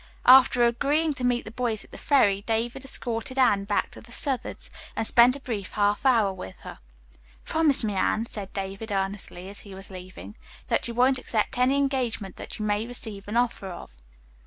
After agreeing to meet the boys at the ferry, David escorted Anne back to the Southard's and spent a brief half hour with her. "Promise me, Anne," said David earnestly, as he was leaving, "that you won't accept any engagement that you may receive an offer of."